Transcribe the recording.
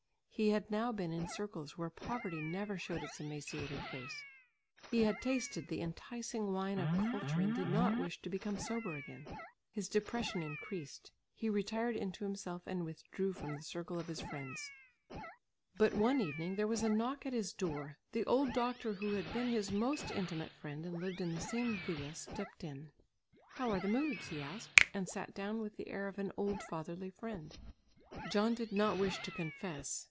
He had now been in circles where poverty never showed its emaciated face; he had tasted the enticing wine of culture and did not wish to become sober again. His depression increased; he retired into himself and withdrew from the circle of his friends. But one evening, there was a knock at his door; the old doctor who had been his most intimate friend and lived in the same villa, stepped in. "How are the moods?" he asked, and sat down with the air of an old fatherly friend. John did not wish to confess.